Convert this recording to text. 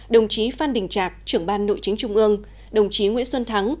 đồng chí phan đình trạc trưởng ban nội chính trung ương đồng chí nguyễn xuân thắng